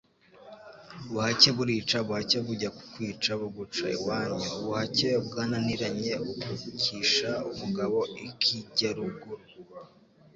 ubuhake burica; ubuhake bujya kukwica buguca iwanyu; ubuhake bwananiranye bukukisha umugabo ikijyaruguru